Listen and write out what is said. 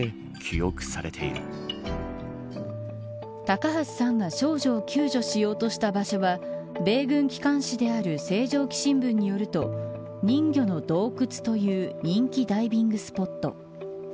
高橋さんが少女を救助しようとした場所は米軍機関紙である星条旗新聞によると人魚の洞窟という人気ダイビングスポット。